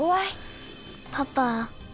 パパ。